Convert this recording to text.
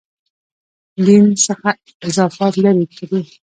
دین څخه اضافات لرې کړي.